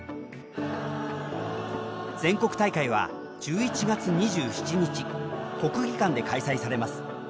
全国大会は１１月２７日国技館で開催されます。